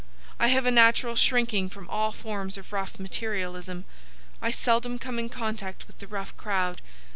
I have a natural shrinking from all forms of rough materialism. I seldom come in contact with the rough crowd.